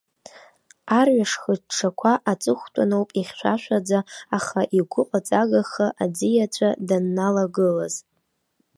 Арҩаш хыҽҽақәа, аҵыхәтәаноуп, ихьшәашәаӡа, аха игәыҟаҵагаха аӡиаҵәа данналагылаз.